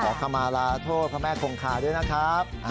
แล้วก่อเข้ามาลาโทษพระแม่คงขาด้วยนะครับ